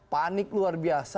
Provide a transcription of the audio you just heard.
panik luar biasa